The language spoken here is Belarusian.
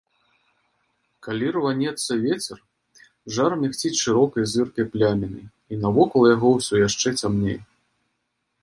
Калі рванецца вецер, жар мігціць шырокай зыркай плямінай, і навокал яго ўсё яшчэ цямней.